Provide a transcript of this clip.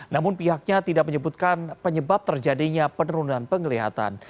namun pihaknya tidak menyebutkan penyebab terjadinya penurunan penglihatan